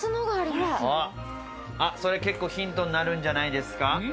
それ、結構ヒントになるんじゃないですか？